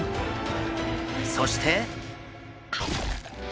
そして。